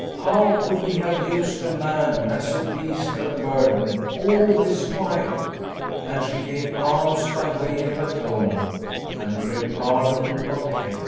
How could we have used a man as a beast of burden, all this while? And she gave alms by way of atonement and prayed pardon of Heaven.